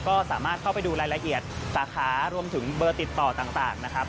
ก็สามารถเข้าไปดูรายละเอียดสาขารวมถึงเบอร์ติดต่อต่างนะครับ